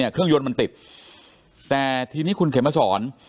เครื่องยนต์มันติดแต่ทีนี้คุณเขมสอน